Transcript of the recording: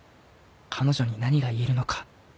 彼女に何が言えるのか